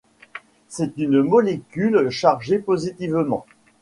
C'est une molécule chargée positivement.